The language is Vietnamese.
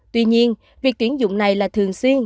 tuy nhiên việc tuyển dụng này là thường xuyên